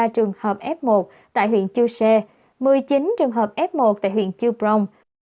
ba trăm ba mươi ba trường hợp f một tại huyện chư sê một mươi chín trường hợp f một tại huyện chư prong